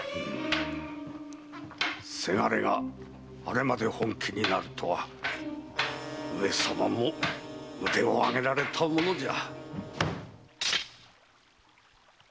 せがれがあれまで本気になるとは上様も腕を上げられたものじゃ。